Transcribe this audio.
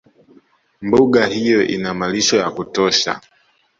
Mbuga hiyo ina malisho ya kutosha